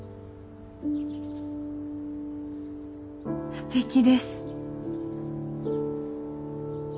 すてきです。